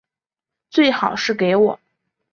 最好是给我